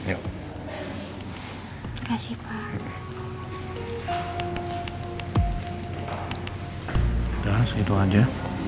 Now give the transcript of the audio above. udah segitu aja